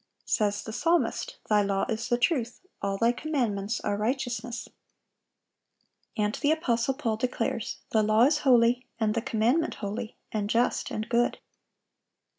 Says the psalmist, "Thy law is the truth;" "all Thy commandments are righteousness."(786) And the apostle Paul declares, "The law is holy, and the commandment holy, and just, and good."